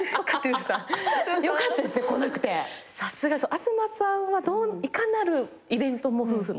東さんはいかなるイベントも夫婦の。